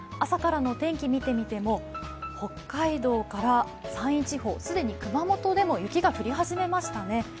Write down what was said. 朝からの天気を見てみても北海道から山陰地方、既に熊本でも雪が降り始めましたね。